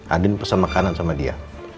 adin pesan makanan sama dia